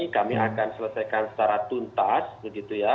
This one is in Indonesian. kami akan selesaikan secara tuntas begitu ya